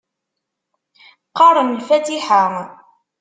Qqaren lfatiḥa.